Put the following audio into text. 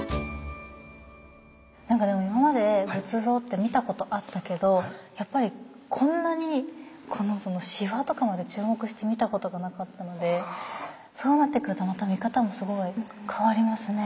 今まで仏像って見たことあったけどやっぱりこんなにこのしわとかまで注目して見たことがなかったのでそうなってくるとまた見方もすごい変わりますね。